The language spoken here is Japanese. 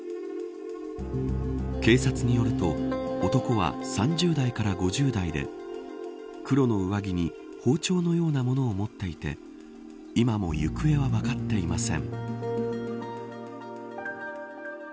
警察によると男は３０代から５０代で黒の上着に包丁のようなものを持っていて今も行方は分かっていません。